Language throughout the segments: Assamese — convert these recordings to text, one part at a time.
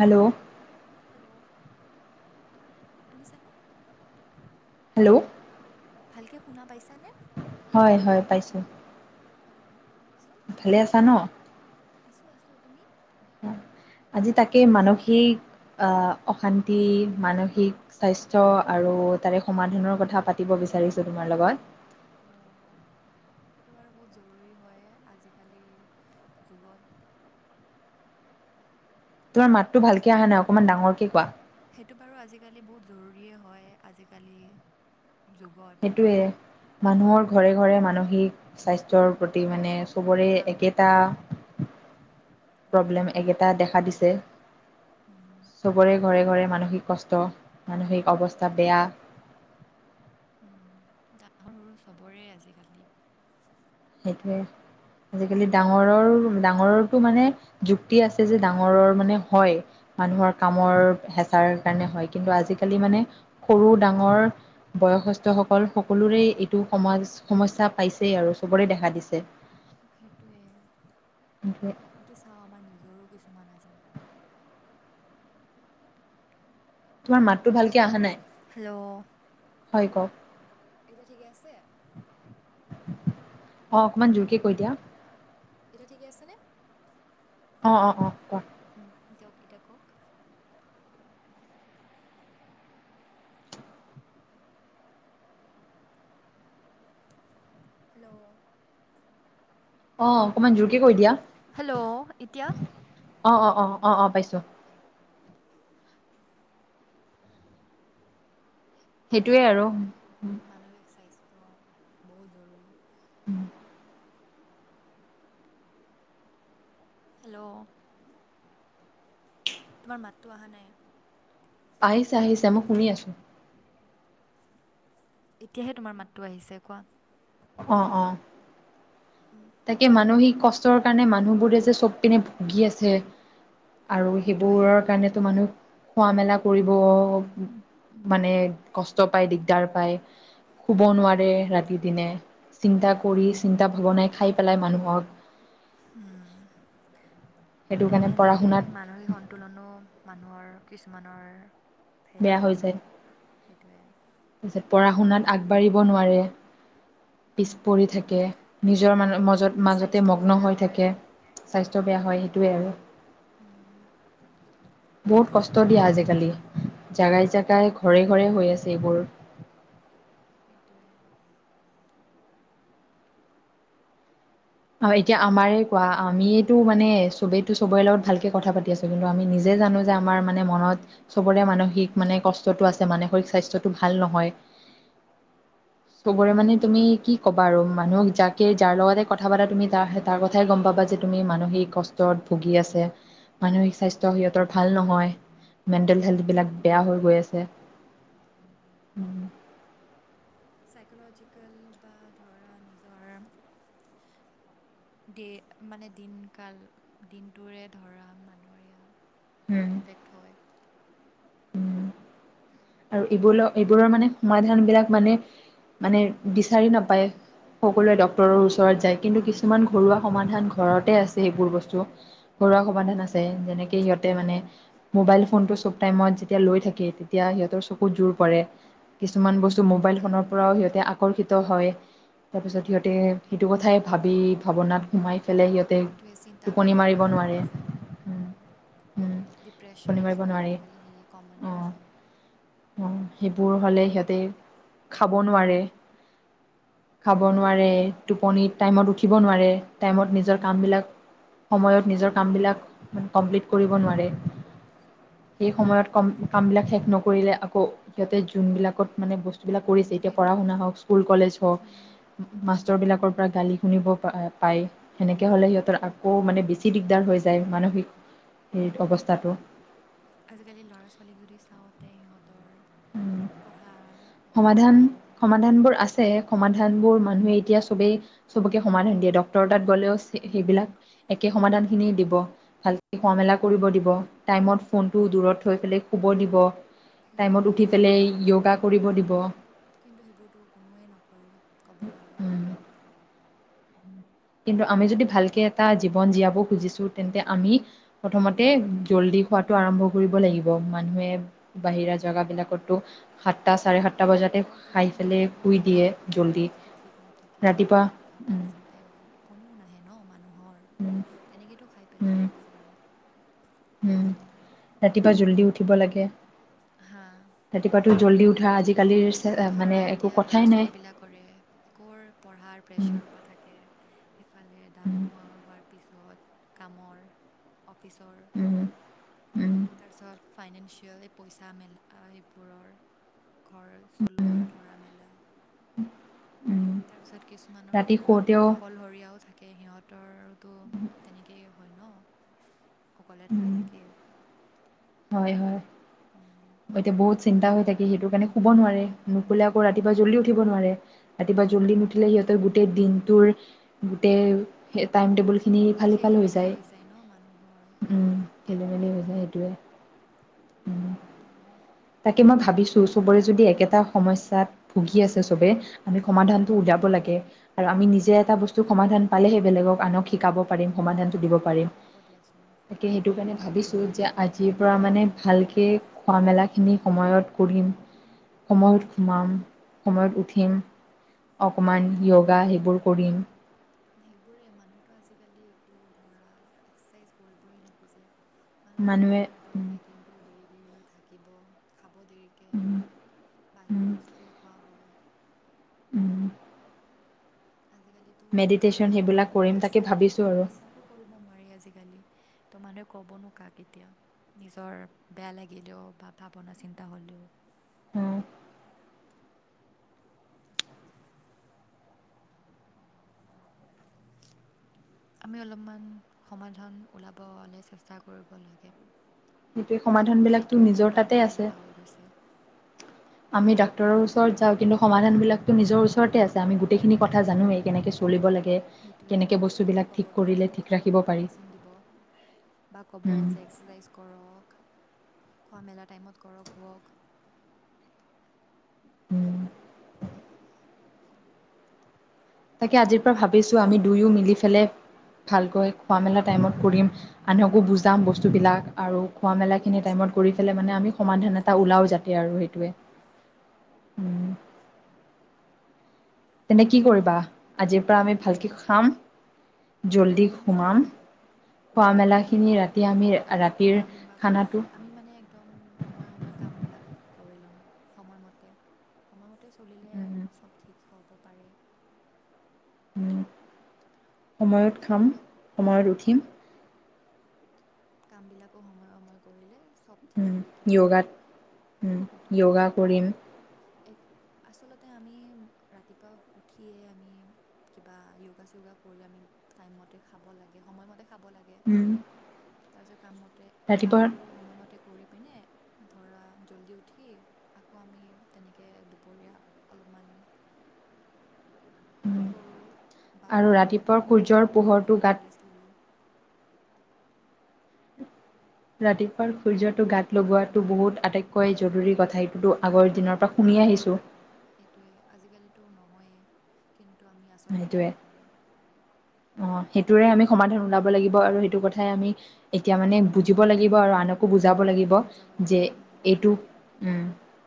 হেল্ল'? হেল্ল' শুনিছানে? হেল্ল'? ভালকে শুনা পাইছা নে? হয় হয় পাইছোঁ। অ কওঁকচোন? ভালে আছা ন? আছোঁ আছো তুমি? আজি তাকে মানসিক অশান্তি, মানসিক স্বাস্থ্য আৰু তাৰে সমাধানৰ কথা পাতিব বিচাৰিছোঁ তোমাৰ লগত। অঁ [unintelligible] সেইটো বাৰু বহুত জৰুৰী হয়, আজিকালি যুগত। তোমাৰা মাততো ভালকে অহা নাই, অকমান ডাঙৰকে কোৱা। সেইটো বাৰু আজিকালি বহুত জৰুৰীয়েই হয়, আজিকালি যুগত। সেইটোয়ে, মানুহৰ ঘৰে ঘৰে মানসিক স্বাস্থ্যৰ প্ৰতি মানে চবৰে ডাঙৰ একেটা অঁ প্ৰব্লেম একেটা দেখা দিছে, উম চবৰে ঘৰে ঘৰে মানসিক কষ্ট। মানসিক সেইটোৱে অৱস্থা বেয়া। ডাঙৰ সৰু চবৰে আজিকালি। সেইটোৱে, আজিকালি ডাঙৰৰ ডাঙৰৰটো মানে যুক্তি আছে যে, ডাঙৰৰ মানে হয়। মানুহৰ কামৰ হেঁচাৰ কাৰণে হয়। কিন্তু আজিকালি মানে সৰু ডাঙৰ বয়স্থসকল সকলোৰেই টো সমাজ সমস্যা পাইছেই আৰু চবৰে দেখা দিছে। সেইটোৱে। সেইটোৱে। যদি চাওঁ আমাৰ নিজৰো কিছুমান আছে। তোমাৰ মাতটো ভালকে অহা নাই হেল্ল' হয় কওঁক। এতিয়া ঠিকে আছে? অ', অকমান জোৰকে কৈ দিয়া। এটিয়া ঠিকে আছেনে? অ', অ', অ', কোৱা। উম, দিয়ক এতিয়া কওঁক। হেল্ল'। অ', অকমান জোৰকে কৈ দিয়া। হেল্ল' এতিয়া অ' অ' অ' অ' অ' পাইছো। [inaudible] সেইটোৱে আৰু। মানসিক স্বাস্থ্য বহুত জৰুৰী। উম। হেল্ল'। তোমাৰ মাতটো অহা নাই। আহিছা আহিছে মই শুনি আছো। এতিয়াহে তোমাৰ মাতটো আহিছে কোৱা। অ', অ'। উম। তাকে মানসিক কষ্টৰ কাৰণে মানুহবোৰে যে চব পিনে ভুগি আছে। আৰু সেইটোৱে। সেইবোৰৰ কাৰণেতো মানুহ খোৱা মেলা কৰিব মানে কষ্ট পায় দিগদাৰ পায়। শুব নোৱাৰে ৰাতি দিনে চিন্তা কৰি চিন্তা ভাৱনাই খাই পেলাই মানুহক। উম, সেইটো কাৰণে পঢ়া সেনেকে শুনাত মাত মানসিক সন্তুলনো মানুহৰ কিছুমানৰ সেয়া বেয়া হৈ হয় ন। যায় সেইটোৱে। তাৰপিছত পঢ়া শুনাত আগবাঢ়িব নোৱাৰে। পিছ পৰি থাকে নিজৰ ম-ম-মাজতে স্বাস্থ্যও মগ্ন বেয়া হৈ হয়। থাকে। স্বাস্থ্য বেয়া হয় সেইটোৱেই আৰু। উম। [inaudible] বহুত কষ্ট দিয়া আজিকালি জাগাই জাগাই ঘৰে ঘৰে হৈ আছে এইবোৰ। এইটোৱে। অ', এতিয়া আমাৰে কোৱা আমিয়েটো মানে চবেইটো চবৰে লগত ভালকে কথা পাতি আছো। কিন্তু আমি নিজে জানো যে আমাৰ মানে মনত চবৰে মানসিক মানে কষ্টটো আছে মানসিক স্বাস্থ্যটো ভাল নহয়। চবৰে সেইটোৱে মানে তুমি কি ক'বা আৰু মানুহক যাকে যাৰ লগতে কথা পতা তুমি তাৰ তাৰ কথাই গম পাবা যে তুমি মানসিক কষ্টত ভুগি আছে। মানসিক স্বাস্থ্য সিহঁতৰ ভাল নহয় মেণ্টেল হেল্থবিলাক সেইটোৱে বেয়া হৈ গৈ আছে। উম। চাইকলজিকেল বা ধৰা নিজৰ দে মানে দিনকাল দিনটোৰে ধৰা মানুহ এৰিয়া উম, এফেক্ট হয় আৰু এইবোৰ এইবোৰৰ মানে সমাধান বিলাক মানে মানে বিচাৰি নাপায় সকলোৱে ডক্তৰৰ ওচৰত যায় কিন্তু কিছুমান ঘৰুৱা সমাধান ঘৰতে আছে সেইবোৰ বস্তু ঘৰুৱা সমাধান আছে যেনেকে সিহঁতে মানে মোবাইল ফোনটো চব টাইমত যেতিয়া লৈ থাকে তেতিয়া সিহঁত সিহঁতৰ চকুত জোৰ পৰে কিছুমান বস্তু মোবাইল ফোনৰ পৰাও সিহঁতে আকৰ্ষিত হয় তাৰ পিছত সিহঁতে সেইটো কথাই ভাবি ভাৱনাত সোমাই পেলাই সিহঁত সেইটোৱে চিন্তা ভাৱনাত সোমাই যায় উম ডিপ্ৰেশ্যন টোপনি এই মাৰিব চবটো নোৱাৰে আজিকালি সেই কমনে হয় অ সেইবোৰ হলে সিহঁতে খাব নোৱাৰে খাব নোৱাৰে টোপনি টাইমত উঠিব নোৱাৰে টাইমত নিজৰ কামবিলাক সময়ত নিজৰ কামবিলাক কমপ্লিট কৰিব নোৱাৰে সেই সময়ত কম কাম বিলাক শেষ নকৰিলে আকৌ সিহঁতে যোনবিলাকত মানে বস্তু যি বিলাক কৰিছে এতিয়া পঢ়া সেইটোৱে। শুনা হওক স্কুল কলেজ হওক মাষ্টৰ বিলাকৰ পৰা গালি শুনিব পা পায় সেনেকে হ'লে সিহঁতৰ আকৌ মানে বেছি বেছি দিগদাৰ হৈ যায় সেইটোৱে মানসিক এই অৱস্থাটো আজিকালি ল'ৰা ছোৱালীক যদি চাওঁতে সিহঁতৰ পঢ়া সমাধান সমাধান বোৰ আছে সমাধান প্ৰব্লেম বোৰ মানুহে এতিয়া চবেই চবকে সমাধান দিয়ে ডক্তৰ তাত গলেও সেইবিলাক একে সমাধান খিনি দিব ভালকে খোৱা মেলা কৰিব দিব টাইমত ফোনটো দূৰত থৈ পেলাই শুব দিব সেইটোৱে সেই ইয়গা কৰিব দিব কিন্তু সেইবোৰতো কোনোৱে নকৰে ক'ব গ'লে উম, কিন্তু আমি যদি ভালকে এটা জীৱন জীয়াব খুজিছো তেন্তে আমি প্ৰথমতে জল্দি শুৱাত শুৱাটো আৰম্ভ কৰিব লাগিব মানুহে বাহিৰা জাগা বিলাকতটো কিন্তু মানুহৰ যদি পেলাই শুই দিয়ে মানসিক জল্দি সন্তুোলনে যদি ঠিক নাথাকে ৰাতিপুৱা মানুহৰ যদি উম, ভাৱনা চিন্তাই হয় টোপনিও নাহে ন মানুহৰ তেনেকেতো খাই উম পেলাই চব উম ৰাতিপুৱা জলদি উঠিব লাগে হা ৰাতিপুৱাতো জল্দি উঠা আজিকালিৰ মানে একো কথাই নাই কৰে আকৌৰ পঢ়াৰ উম, প্ৰেছাৰ সোপা থাকে ইফালে উম, ডাঙৰ হোৱাৰ পিছত কামৰ অফিচৰ উম, উম, তাৰপিছত ফাইনেন্সিয়েলি পইচা মেলা এইবোৰৰ ঘৰ চলোৱা ধৰা মেলা উম। তাৰ পিছত কিছুমানৰ ৰাতি ধৰা শুতেও অকলশৰীয়াও থাকে থাকে সিহঁতৰতো তেনেকেই হয় ন অকলে থাকি উম, থাকিয়ে হয় হয় অ এতিয়া বহুত চিন্তা হৈ থাকে সেইটো কাৰণে শুব নোৱাৰে নুশুলে আকৌ ৰাতিপুৱা জলদি উঠিব নোৱাৰে ৰাতিপুৱা জল্দি নুউঠিলে সিহঁতে গোটেই দিনটোৰ গোটেই টাইম টেবুল খিনি ইফাল খেলি সিফাল হৈ মেলি যায় ন মানুহৰ উম খেলি মেলি হৈ যায় সেইটোৱে উম উম তাকে, মই ভাবিছোঁ চবৰে যদি একেটা সমস্যাত ভুগি আছে চবে আমি সমাধানটো উলিয়াব লাগে। আৰু আমি নিজে এটা বস্তু সমাধান পালেহে বেলেগক আনক শিকাব সমাধান পাৰিম পালে সমাধানটো দিব কিন্তু পাৰিম ভালেই হ'ব দিয়াচোন তাকে, সেইটো কাৰণ কাৰণে ভাবিছোঁ যে, এইটো আজ ৰ পৰা একচুৱেলি মানে বহুত ভালকে সেয়া হৈ গৈছে খোৱা মেলাখিনি সময়ত কৰিম, সময়ত [unintelligible] সময়ত উঠিম। অকণমান য়গা সেইবোৰ কৰিম। সেইবোৰে মানুহেতো আজিকালি একো ধৰা এক্সেচাইজ কৰিবই নোখোঁজে। মানুহ টোপনি মানুহে মাৰিব লাগে কিন্তু দেৰি দেৰিলৈ থাকিব। খাব দেৰিকে, বাহিৰা বস্তুৱেই খোৱা হয়। উম আজিকালিতো কাৰো মেডিটেশ্যন সেইবিলাক লগত মানে কৰিম তাকে বিশ্বাসো ভাবিছোঁ আৰু বিশ্বাসো কৰিব নোৱাৰি আজিকালি। ত' মানুহে ক'বনো কাক এতিয়া? নিজৰ বেয়া লাগিলেও বা ভাৱনা চিন্তা হ'লেও। আমি অলপমান সমাধান ওলাবলে চেষ্টা কৰিব লাগে। সেইটোৱে যিহতুকে সমাধানবিলাকতো এইটো বহুত নিজৰ তাতে ডাঙৰ আছে সেয়া হৈ গৈছে। আমি ডাক্তৰৰ ওচৰত যাওঁ কিন্তু সমাধানবিলাকতো নিজৰ ওচৰতে আছে আমি গোটেইখিনি কথা জানোৱেই কেনেকে চলিব লাগে। সেইটোৱে কেনেকৈ ডক্টৰে কিয়ে বস্তুবিলাক ঠিক ক'ব টোপনি কৰিলে ঠিক কৰিবৰ ৰাখিব কাৰণে পাৰি মেডিচিন দিব বা ক'ব উম, যে এক্সাৰচাইজ কৰক, খোৱা মেলা টাইমত কৰক শুৱক। উম। তাকে, আজিৰ পৰা ভাবিছোঁ আমি দুয়ো মিলি পেলে ভালকৈ খোৱা মেলা টাইমত কৰিম। মানুহকো সেইটোৱে বুজাম বস্তুবিলাক আৰু খোৱা মেলাখিনি য়োগা টাইমত চয়োগাও কৰি পেলাই কৰিব মানে আমি লাগে সমাধান এট এটা ৰিলেক্সেশ্যন ওলাও ট্ৰাই যাতে কৰিব আৰু লাগে সেইটোৱে উম। তেন্তে কি কৰিবা? আজিৰ পৰা আমি ভালকে খাম জলদি শুম ঘোমাম। উঠিম জল্দি টাইমত ৰাতিৰ কাম বা খানাটো আমি মানে একদম সময়ে সময়ে কামবিলাক কৰি লম সময়মতে, সময়মতে চলিলেহে উম, চব ঠিক হ'ব পাৰে। উম, সময়ত খাম সময়ত উঠিম। কামবিলাকো সময়ে, সময়ে কৰিলে চব উম, ঠিকে থাকিব য়গাত। সেইটোৱে এক আচলতে আমি ৰাতিপুৱা উঠিয়ে আমি কিবা য়োগা চোগা কৰি আমি টাইমমতে খাব লাগে, সময়মতে খাব লাগ [unintelligible] তাৰিছত কামতে ৰাতিপুৱা কামবোৰো সময়মতে কৰি পিনে ধৰা জল্দি উঠি আকৌ আমি তেনেকে দুপৰীয়া অলপমান সৰু আৰু বাগৰি ৰাতিপুৱা অলপমান সূৰ্যৰ বাগৰিলোঁ, পোহৰটো গাত মেলিলোঁ ৰেষ্ট ল'লোঁ। ৰাতিপুৱাৰ সূৰ্যটো গাত লগোৱাটো বহুত আটাইতক কৈ জৰুৰী কথা জৰুৰী সেটোতো হয় আগৰ বাৰু হা, দিনৰ পৰা শুনি আহিছোঁ। সেইটোৱে আজিকালিতো নহয়েই, কিন্তু আমি আচলতে ল'ব লাগে। অ', সেইটোৰে আমি সমাধান ওলাব লাগিব আৰু সেইটো কথাই আমি এতিয়া মানে বুজিব লাগিব আৰু আনক বুজাব লাগিব আনকো বুজাব যে, লাগিব হা এইটো উম,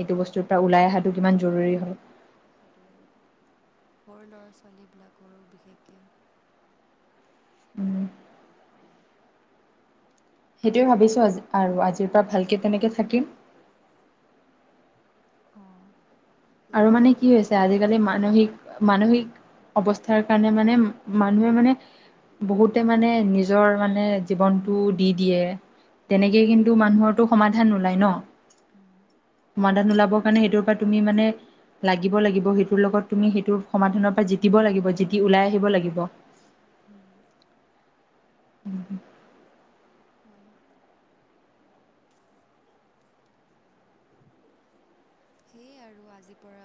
এইটো বস্তুৰ পৰা ওলাই অহাটো কিমান জৰুৰী হয়। সেইটোৱে সৰু ল'ৰা ছোৱালীবিলাকৰো বিশেষকে [inaudible] [inaudible] সেইটোৱে ভাবিছোঁ, আজি আৰু, আজিৰ পৰা ভালকৈ তেনেকৈ থাকিম। অ। আৰু মানে কি হৈছে, আজিকালি হ'ল মানসিক মানসিক অৱস্থাৰ কাৰণে মানে, মানুহে মানে বহুতে মানে নিজৰ মানে জীৱনতটো দি দিয়ে, তেনেকে সেইটোৱে কিন্তু মানুহৰ বহুতো সমাধান ওলাই ন! উম, উম, সমাধান ওলাবৰ কাৰণে সেইটোৰ পৰা তুমি মানে লাগিব লাগিব সেইটোৰ লগত। তুমি সেইটো সমাধানৰ পৰা জিকিব লাগিব, জিকি ওলাই আহিব লাগিব। হম। [inaudible] হয়। সেয়ে আৰু আজিৰ পৰা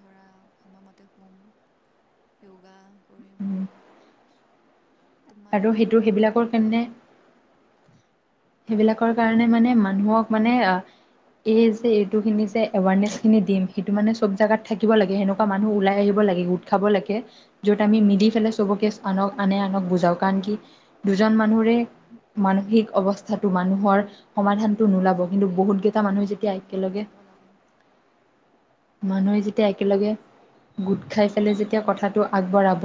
ধৰা, সময়মতে শুম। যোগা কৰিম। আৰু তোমালোকেও সেইটো, কৰিবা সেইবিলাকৰ কাৰণে সেইবিলাকৰ কাৰণে মানে মানুহক মানে আহ এই যে এইটো খিনি যে এৱাৰনেছ খিনি দিম, সেইটো মানে চব জাগাত থাকিব লাগে, সেনেকুৱা মানুহ ওলাই আহিব লাগে। [unintelligible] লাগে, য'ত আমি মিলি পেলাই চবকে, আনক আনে আনক বুজাও। কাৰণ কি দুজন মানুহৰে মানসিক অৱস্থাটো মানুহৰ সমাধানতটো কিমান নোলাব, কিন্তু জৰুৰী বহুত কেইটা সমাধান মানুহে ওলাব যেতিয়া লাগে একেলগে বুজাব লাগে মানুহে যেতিয়া একেলগে গোট খাই পেলাই যেতিয়া কথাটো আগবঢ়াব,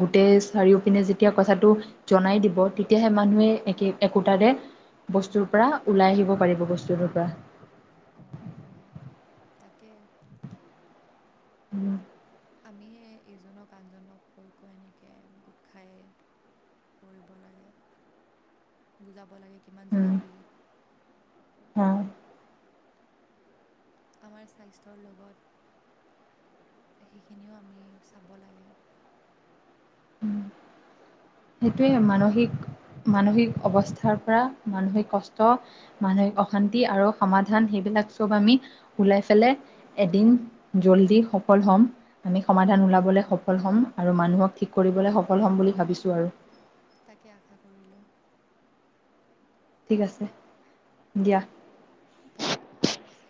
গোটেই চাৰিওপিনে যেতিয়া কথাটো জনাই দিব, তেতিয়াহে মানুহে একে-একোটাৰে বস্তুৰ পৰা ওলাই আহিব পাৰিব, বস্তুটোৰ পৰা। অঁ, হয়, তাকে। উম। আমিয়ে ইজনক আনজনক কৈ কৈ এনেকৈ গোট খায় কৰিব লাগে, বুজাব লাগে, কিমান জৰুৰী। হম। আমাৰ স্বাস্থ্যৰ লগত সেইখিনিও আমি চাব লাগে। সেইটোৱে, মানসিক-মানসিক অৱস্থাৰ পৰা মানসিক কষ্ট মানসিক অশান্তি আৰু সমাধান সেইবিলাক চব আমি ওলাই পেলাই এদিন জল্দি সফল হ'ম। আমি সমাধান ওলাবলৈ সফল হ'ম, আৰু মানুহক ঠিক কৰিবলৈ সফল হ'ম বুলি ভাবিছোঁ আৰু। তাকে, আশা কৰিলোঁ। ঠিক আছে। দিয়া। [unintelligible]